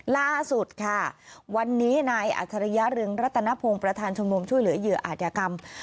ล่าสุดค่ะวันนี้นายอัจฉริยรึงรัตนพงศ์ประธานชมรมช่วยเหลือเหยื่ออาจยากรรม